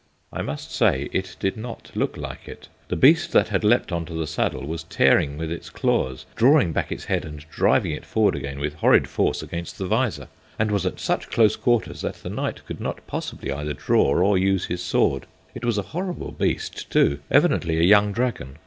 I must say it did not look like it. The beast that had leapt on to the saddle was tearing with its claws, drawing back its head and driving it forward again with horrid force against the visor, and was at such close quarters that the knight could not possibly either draw or use his sword. It was a horrible beast, too; evidently a young dragon.